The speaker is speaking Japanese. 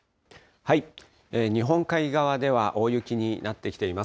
日本海側では大雪になってきています。